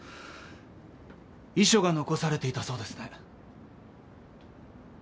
遺書が残されていたそうですね？